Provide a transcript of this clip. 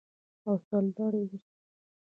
او سرلوړي اوسو.